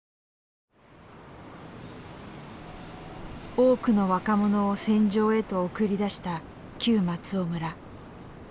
多くの若者を戦場へと送り出した旧松尾村。